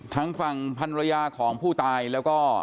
ทั้งฝั่งภรรยาของผู้ตายและการการปฏิภัทธ์